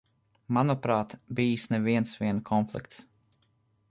Manuprāt, bijis ne viens vien konflikts.